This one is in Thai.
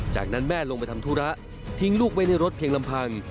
จากนั้นแม่ลงไปทำธุระทิ้งลูกไว้ในรถเพียงลำพัง